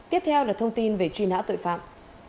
tiếp theo là thông tin về truy nã tội phạm